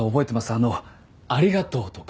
あの「ありがとう」とか。